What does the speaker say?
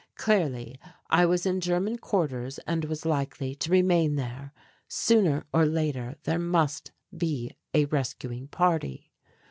Clearly I was in German quarters and was likely to remain there. Sooner or later there must be a rescuing party.